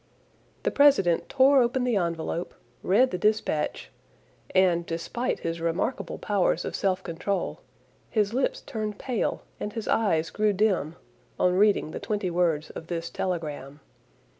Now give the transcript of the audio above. The president tore open the envelope, read the dispatch, and, despite his remarkable powers of self control, his lips turned pale and his eyes grew dim, on reading the twenty words of this telegram.